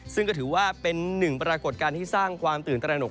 ซึ่งก็ถือว่าเป็นหนึ่งปรากฏการณ์ที่สร้างความตื่นตระหนก